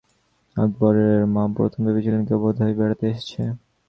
আকবরের মা প্রথম ভেবেছিল কেউ বোধহয় বেড়াতে এসেছে।